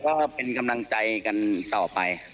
ก็เป็นกำลังใจกันต่อไป